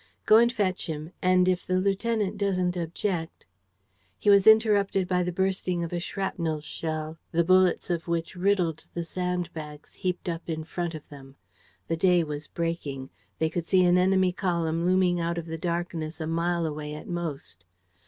"Go and fetch him; and, if the lieutenant doesn't object ..." He was interrupted by the bursting of a shrapnel shell the bullets of which riddled the sandbags heaped up in the front of them. The day was breaking. They could see an enemy column looming out of the darkness a mile away at most.